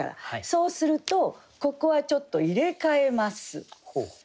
そうするとここはちょっと入れ替えます。